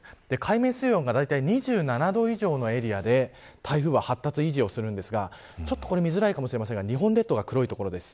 海面水温が２７度以上のエリアで台風は発達、維持をするんですが見づらいかもしれませんが日本列島は黒いところです。